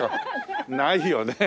ないよね。